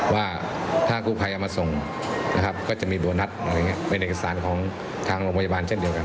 ว่าถ้ากู้ภัยมาส่งนะครับก็จะมีโบนัสเป็นเอกสารของทางโรงพยาบาลเช่นเดียวกัน